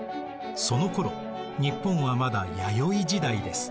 そのころ日本はまだ弥生時代です。